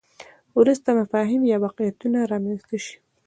وروسته مفاهیم یا واقعیتونه رامنځته شي.